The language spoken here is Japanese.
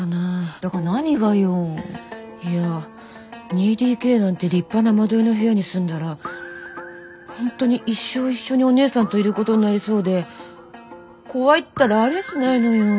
だから何がよ？いや２ＤＫなんて立派な間取りの部屋に住んだら本当に一生一緒にお姉さんといることになりそうで怖いったらありゃしないのよ。